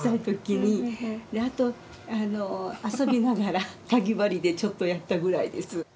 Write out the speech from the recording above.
あとあの遊びながらかぎ針でちょっとやったぐらいです。